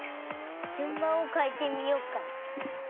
じゅんばんをかえてみようかな。